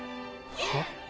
はっ？